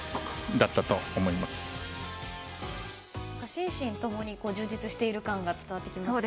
心身ともに充実している感が伝わってきますね。